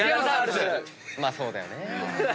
まあそうだよね。